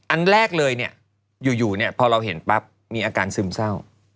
อันแรกเลยอยู่เราเห็นปั๊บมีอาการซึมเศร้า